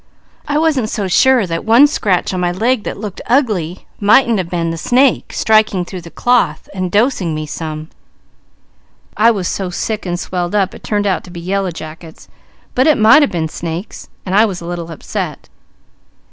I wasn't so sure that one scratch on my leg that looked ugly mightn't a been the snake striking through the cloth and dosing me some, I was so sick and swelled up; it turned out to be yellow jackets, but it might a been snakes, and I was a little upset.